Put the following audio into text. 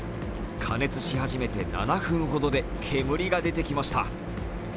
加熱し始めて７分ほどで煙が出てきました。